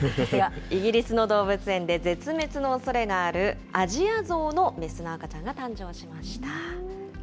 イギリスの動物園で絶滅のおそれのあるアジアゾウの雌の赤ちゃんが誕生しました。